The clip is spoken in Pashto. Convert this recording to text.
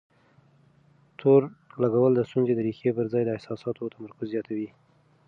تور لګول د ستونزې د ريښې پر ځای د احساساتو تمرکز زياتوي.